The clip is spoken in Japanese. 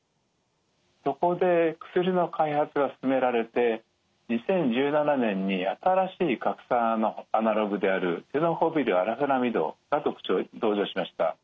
そこで薬の開発が進められて２０１７年に新しい核酸アナログであるテノホビル・アラフェナミドが登場しました。